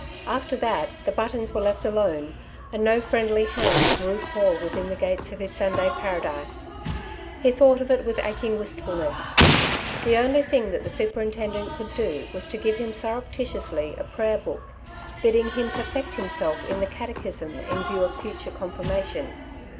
After that the Buttons were left alone, and no friendly hand drew Paul within the gates of his Sunday Paradise. He thought of it with aching wistfulness. The only thing that the superintendent could do was to give him surreptitiously a prayer book, bidding him perfect himself in the Catechism in view of future Confirmation.